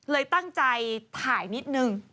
เลยตั้งใจถ่ายนิดนึง